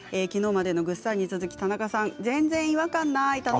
きのうまでのぐっさんに続き田中さん、全然違和感ない。